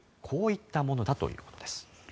こういったものだといいます。